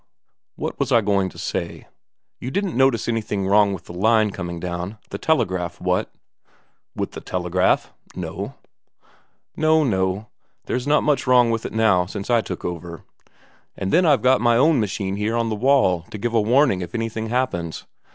What was I going to say? You didn't notice anything wrong with the line coming down the telegraph, what?" "With the telegraph? No." "No, no ... There's not much wrong with it now since I took over. And then I've my own machine here on the wall to give a warning if anything happens.